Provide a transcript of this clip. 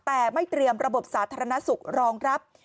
แต่ไม่เตรียมระบบสาธารณสุขรองรับ